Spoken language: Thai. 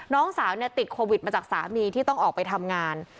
น้องสาวติดโควิดมาจากสามีที่ต้องออกไปทำงาน